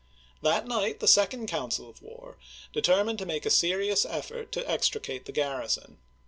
That night the second council of war determined to make a serious effort to extricate the garrison.